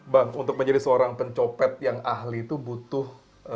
bang untuk menjadi seorang pencopet yang ahli itu butuh